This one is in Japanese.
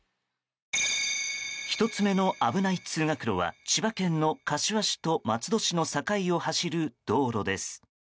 １つ目の危ない通学路は千葉県の柏市と松戸市の境を走る道路です。